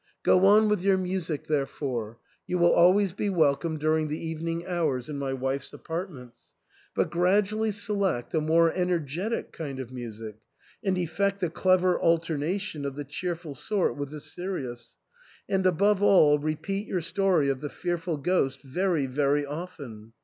Go on with your music therefore. You will always be wel come during the evening hours in my wife's apart ments. But gradually select a more energetic kind of music, and effect a clever alternation of the cheerful sort with the serious ; and above all things, repeat your story of the fearful ghost very very often.